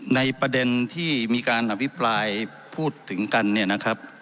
ในประเด็นที่มีการอภิปรายพูดถึงกันเนี่ยนะครับ